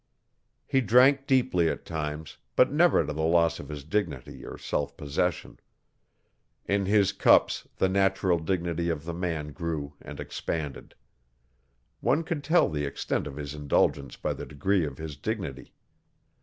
He drank deeply at times, but never to the loss of his dignity or self possession. In his cups the natural dignity of the man grew and expanded. One could tell the extent of his indulgence by the degree of his dignity.